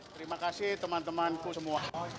terima kasih teman temanku semua